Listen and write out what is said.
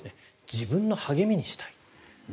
自分の励みにしたい。